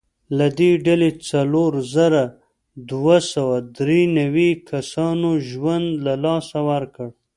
له دې ډلې څلور زره دوه سوه درې نوي کسانو ژوند له لاسه ورکړ.